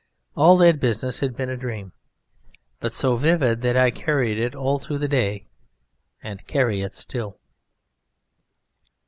All that business had been a dream, but so vivid that I carried it all through the day, and carry it still.